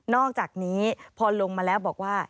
อกจากนี้พอลงมาแล้วบอกว่า